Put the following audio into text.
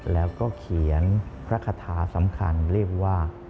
แล้วก็เขียนพระคาถาสำคัญเรียกว่า